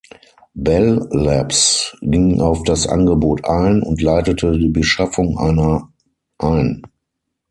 Bell Labs ging auf das Angebot ein und leitete die Beschaffung einer ein.